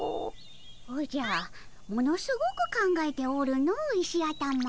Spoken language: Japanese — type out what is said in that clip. おじゃものすごく考えておるの石頭。